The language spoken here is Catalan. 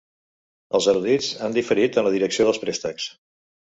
Els erudits han diferit en la direcció dels préstecs.